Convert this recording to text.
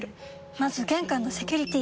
まず玄関のセキュリティ！